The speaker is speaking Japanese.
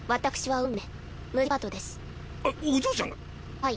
はい。